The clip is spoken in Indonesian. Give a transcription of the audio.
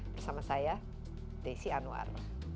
bersama saya desi anwar